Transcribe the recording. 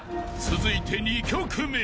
［続いて２曲目］